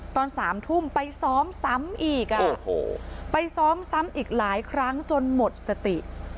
ตอน๓ทุ่มไปซ้อมซ้ำอีกไปซ้อมซ้ำอีกหลายครั้งจนหมดสติ